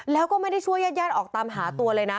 แล้วก็ไม่ได้ช่วยญาติออกตามหาตัวเลยนะ